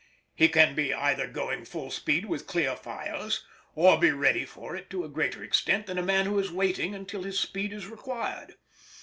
He can be either going full speed with clear fires, or be ready for it to a greater extent than a man who is waiting until his speed is required.